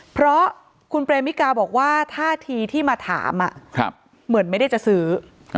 เพราะคุณเปรมิกาบอกว่าท่าทีที่มาถามเหมือนไม่ได้จะซื้อ